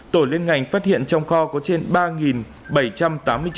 tổ liên ngành phát hiện trong kho có trên ba bảy trăm tám mươi chai can nước rửa chén hiệu calina sunlight